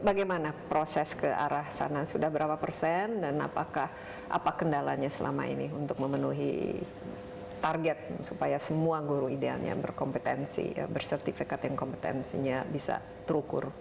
bagaimana proses ke arah sana sudah berapa persen dan apakah apa kendalanya selama ini untuk memenuhi target supaya semua guru idealnya berkompetensi bersertifikat yang kompetensinya bisa terukur